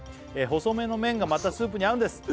「細めの麺がまたスープに合うんです」